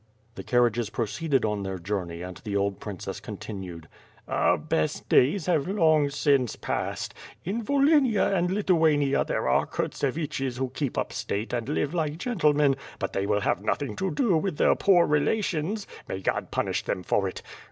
The carriages proceeded on their journey and the old prin cess continued: "Our best days have long since passed. In Volhynia and Lithuania there are Kurtseviches who keep up state and live like gentlemen; but they will have nothing to do with their poor relations. May God punish them for it.